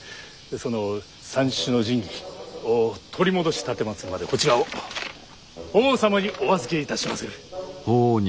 その三種の神器を取り戻し奉るまでこちらを法皇様にお預けいたしまする。